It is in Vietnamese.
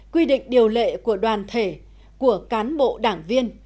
quy định điều lệ của đoàn thể của cán bộ đảng viên